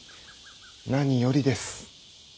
何よりです。